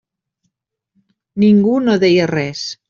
Ningú no deia res.